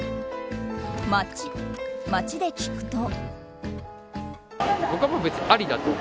街で聞くと。